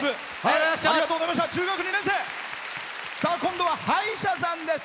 今度は歯医者さんです。